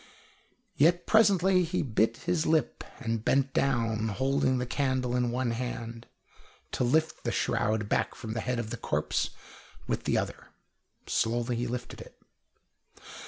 Yet presently he bit his lip and bent down, holding the candle in one hand, to lift the shroud back from the head of the corpse with the other. Slowly he lifted it.